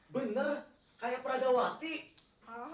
tidak perlu kamu tahu